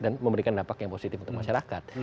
dan memberikan dampak yang positif untuk masyarakat